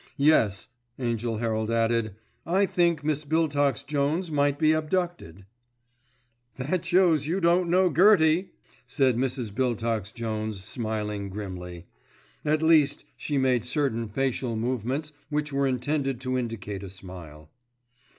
Yes," Angell Herald added, "I think Miss Biltox Jones might be abducted." "That shows you don't know Gertie," said Mrs. Biltox Jones, smiling grimly. At least, she made certain facial movements which were intended to indicate a smile.